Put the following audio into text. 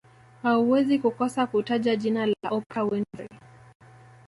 Hauwezi kukosa kutaja jina la Oprah Winfrey